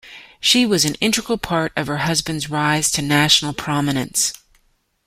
She was an integral part of her husband's rise to national prominence.